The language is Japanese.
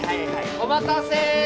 お待たせ！